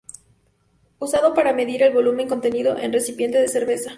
Usado para medir el volumen contenido en recipiente de cerveza.